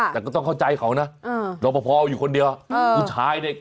แต่ก็ต้องเข้าใจเขานะรอปภอยู่คนเดียวผู้ชายเนี่ย